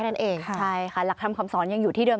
นั่นเองใช่ค่ะหลักธรรมคำสอนยังอยู่ที่เดิ